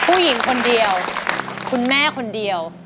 ผู้หญิงคนเดียวคุณแม่คนเดียว